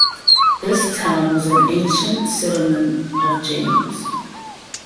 This town was an ancient settlement of Jains.